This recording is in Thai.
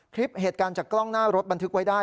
คลิปเหตุการณ์จากกล้องหน้ารถบันทึกไว้ได้